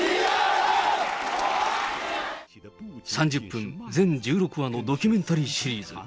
３０分、全１６話のドキュメンタリーシリーズ。